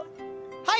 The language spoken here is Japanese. はい！